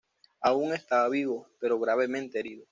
Aún estaba vivo, pero gravemente herido.